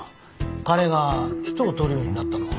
彼が人を撮るようになったのは。